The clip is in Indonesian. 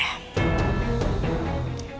ternyata dia berkata